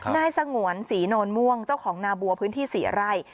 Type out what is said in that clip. นายสงวนศรีโนนม่วงเจ้าของนาบัวพื้นที่๔ไร่